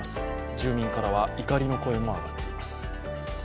住民からは怒りの声も上がっています。